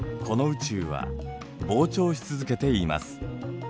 この宇宙は膨張し続けています。